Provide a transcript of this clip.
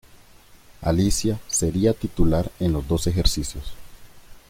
Alicia sería titular en los dos ejercicios.